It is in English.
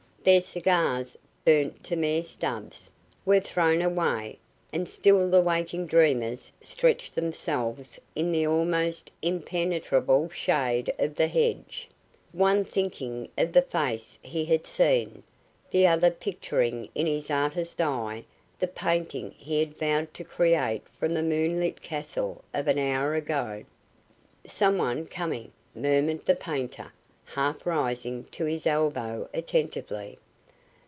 Their cigars, burnt to mere stubs, were thrown away, and still the waking dreamers stretched themselves in the almost impenetrable shade of the hedge, one thinking of the face he had seen, the other picturing in his artist eye the painting he had vowed to create from the moon lit castle of an hour ago. "Some one coming," murmured the painter, half rising to his elbow attentively.